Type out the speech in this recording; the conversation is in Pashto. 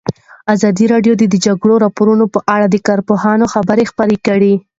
ازادي راډیو د د جګړې راپورونه په اړه د کارپوهانو خبرې خپرې کړي.